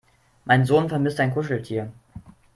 Mein Sohn vermisst sein Kuscheltier.